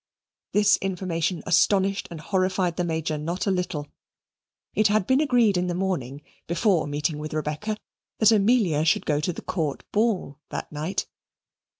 This information astonished and horrified the Major not a little. It had been agreed in the morning (before meeting with Rebecca) that Amelia should go to the Court ball that night.